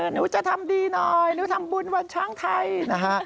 หนูจะทำดีหน่อยหนูทำบุญวันช้างไทยนะฮะ